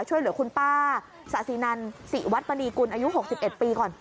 ช่วยเหลือคุณป้าสะสินันศิวัตมณีกุลอายุ๖๑ปีก่อน